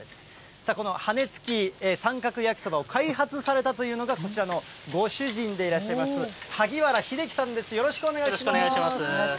さあ、この羽根つき三角焼きそばを開発されたというのが、こちらのご主人でいらっしゃいます、萩原秀樹さんです、よろしくお願いします。